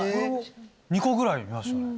２個ぐらい見ましたね。